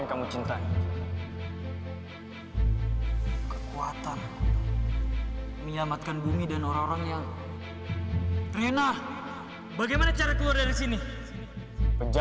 kita bertemu lagi bima